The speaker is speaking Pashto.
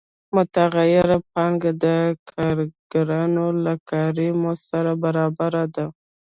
متغیره پانګه د کارګرانو له کاري مزد سره برابره ده